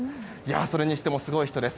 それにしてもすごい人です。